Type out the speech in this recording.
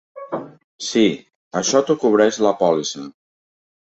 Sí, això t'ho cobreix la pòlissa.